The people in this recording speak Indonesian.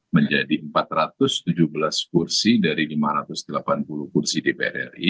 menjadi empat ratus tujuh belas kursi dari lima ratus delapan puluh kursi dpr ri